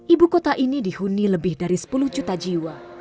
ibu kota ini dihuni lebih dari sepuluh juta jiwa